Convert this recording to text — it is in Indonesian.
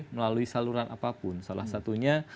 melalui saluran apapun salah satunya